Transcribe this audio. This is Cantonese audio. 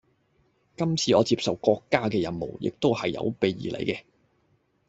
今次我接受國家嘅任務，亦都係有備而嚟嘅